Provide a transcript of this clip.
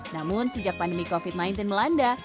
namun sejak pandemi covid sembilan belas melanda